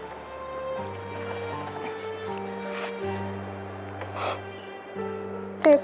ไม่ไหวนะ